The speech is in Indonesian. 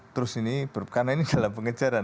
terus ini karena ini dalam pengejaran